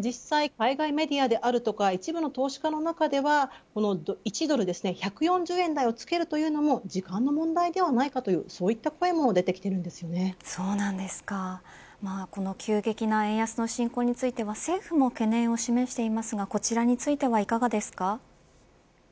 実際、海外メディアであるとか一部の投資家の中では１ドル１４０円台をつけるというのも時間の問題ではないかという声もこの急激な円安の進行について政府も懸念を示していますがこちらについてはいかがですか。